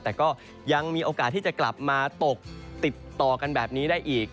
แต่ก็ยังมีโอกาสที่จะกลับมาตกติดต่อกันแบบนี้ได้อีก